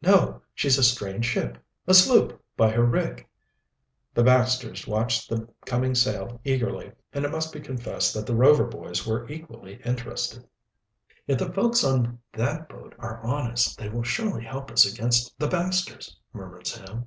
"No, she's a strange ship a sloop, by her rig." The Baxters watched the coming sail eagerly, and it must be confessed that the Rover boys were equally interested. "If the folks on that boat are honest, they will surely help us against the Baxters," murmured Sam.